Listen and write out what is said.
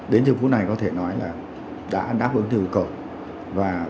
đến trường phố này có thể nói là đã đáp ứng được cầu